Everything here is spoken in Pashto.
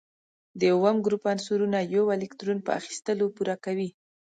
د اووم ګروپ عنصرونه یو الکترون په اخیستلو پوره کوي.